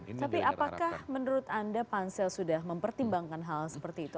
tapi apakah menurut anda pansel sudah mempertimbangkan hal seperti itu